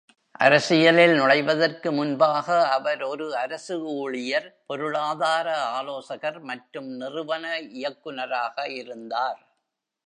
அரசியலில் நுழைவதற்கு முன்பாக, அவர் ஒரு அரசு ஊழியர், பொருளாதார ஆலோசகர், மற்றும் நிறுவன இயக்குநராக இருந்தார்.